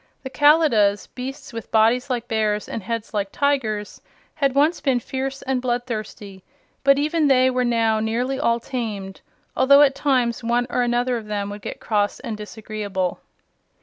The Kalidahs beasts with bodies like bears and heads like tigers had once been fierce and bloodthirsty, but even they were now nearly all tamed, although at times one or another of them would get cross and disagreeable.